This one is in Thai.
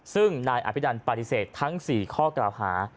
ซึ่งนายอภินันปฏิเสธทั้ง๔ข้อกล่าวหา